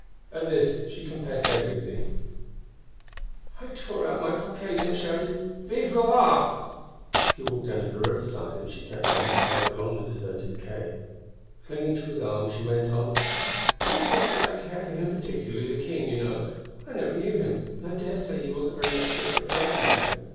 At this she confessed everything: "I tore out my cockade and shouted: 'Vive le roi!'" He walked down to the river side and she kept by his side along the deserted quais. Clinging to his arm she went on: "It is not that I care for him particularly, the King, you know; I never knew him, and I daresay he wasn't very much different from other men.